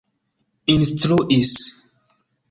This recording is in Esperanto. instruis